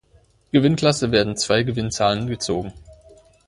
Gewinnklasse werden zwei Gewinnzahlen gezogen.